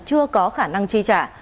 chưa có khả năng chi trả